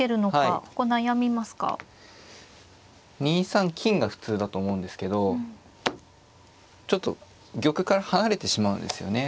２三金が普通だと思うんですけどちょっと玉から離れてしまうんですよね。